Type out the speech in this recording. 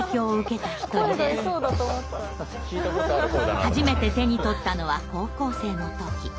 初めて手に取ったのは高校生の時。